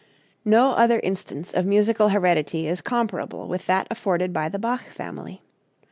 No other instance of musical heredity is comparable with that afforded by the Bach family.